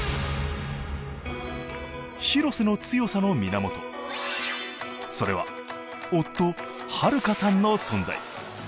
廣瀬の強さの源それは夫悠さんの存在。